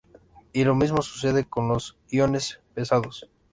Y lo mismo sucede con los iones pesados.